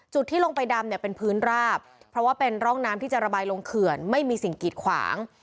ที่ลงไปดำเนี่ยเป็นพื้นราบเพราะว่าเป็นร่องน้ำที่จะระบายลงเขื่อนไม่มีสิ่งกีดขวาง